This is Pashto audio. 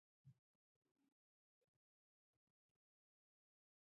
پیاز د زړو خلکو لپاره هم ګټور دی